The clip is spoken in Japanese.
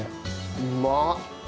うまっ！